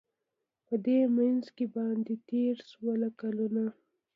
په دې منځ کي باندی تېر سوله کلونه